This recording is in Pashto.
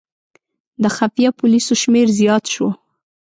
د خفیه پولیسو شمېر زیات شو.